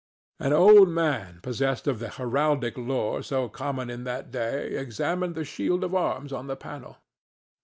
An old man possessed of the heraldic lore so common in that day examined the shield of arms on the panel.